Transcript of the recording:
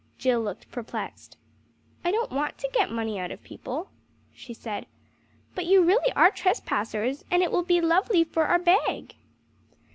Jill looked perplexed. "I don't want to get money out of people," she said, "but you really are trespassers, and it will be lovely for our bag!"